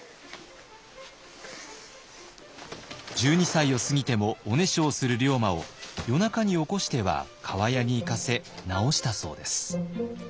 １２歳を過ぎてもおねしょをする龍馬を夜中に起こしては厠に行かせ治したそうです。